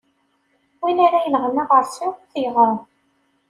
Win ara yenɣen aɣeṛsiw, ad t-iɣrem.